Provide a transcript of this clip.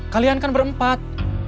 kalian kan berempat